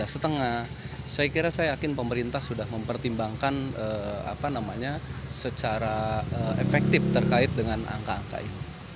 saya kira saya yakin pemerintah sudah mempertimbangkan secara efektif terkait dengan angka angka ini